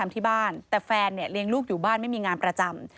แต่แฟนเลี้ยงลูกอยู่บ้านไม่มีงานประจำ